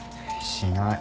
しない。